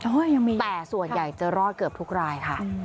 ยังมีแต่ส่วนใหญ่จะรอดเกือบทุกรายค่ะ